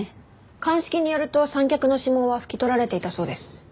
鑑識によると三脚の指紋は拭き取られていたそうです。